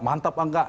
mantap apa enggak